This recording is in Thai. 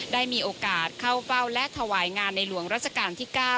ได้มีโอกาสเข้าเฝ้าและถวายงานในหลวงรัชกาลที่๙